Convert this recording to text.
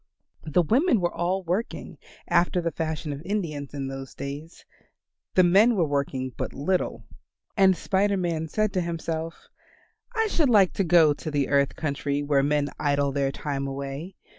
The women were all working, after the fashion of Indians in those days; the men were working but little. And Spider Man said to himself, "I should like to go to the earth country where men idle their time away.